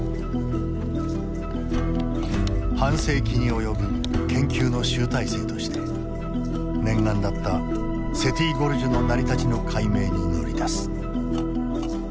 半世紀に及ぶ研究の集大成として念願だったセティ・ゴルジュの成り立ちの解明に乗り出す。